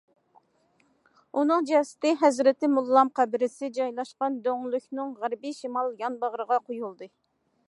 ئۇنىڭ جەسىتى« ھەزرىتى موللام» قەبرىسى جايلاشقان دۆڭلۈكنىڭ غەربىي شىمال يانباغرىغا قويۇلدى.